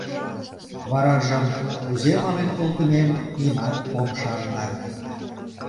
Варажым кузе мален колтымем нимат ом шарне.